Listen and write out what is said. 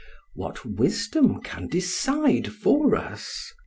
... What wisdom can decide for us?